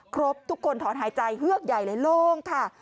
ครบทุกคนถอนหายใจเฮือกใหญ่เลยโล่งค่ะ